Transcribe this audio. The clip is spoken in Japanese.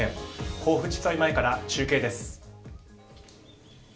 甲府地裁前から中継です。